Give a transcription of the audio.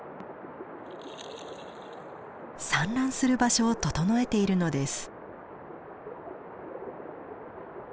産卵する場所を整えているのです。